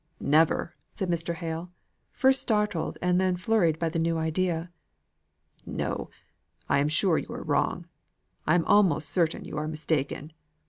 "Never!" said Mr. Hale, first startled and then flurried by the new idea. "No, I am sure you are wrong, I am almost certain you are mistaken.